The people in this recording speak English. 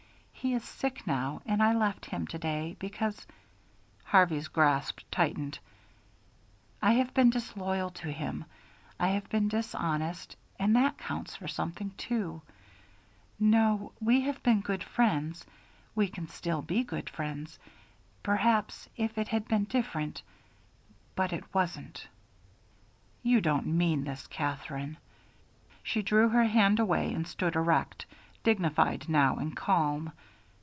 He is sick now, and I left him to day, because " Harvey's grasp tightened. "I have been disloyal to him, I have been dishonest and that counts for something, too. No we have been good friends, we can still be good friends. Perhaps, if it had been different but it wasn't." "You don't mean this, Katherine." She drew her hand away and stood erect, dignified now and calm.